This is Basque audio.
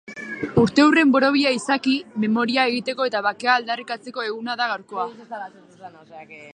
Urteurren borobila izaki, memoria egiteko eta bakea aldarrikatzeko eguna da gaurkoa.